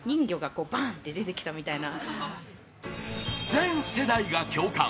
全世代が共感！